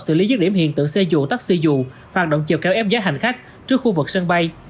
xử lý dứt điểm hiện tượng xe dù taxi dù hoạt động chèo cáo ép giá hành khách trước khu vực sân bay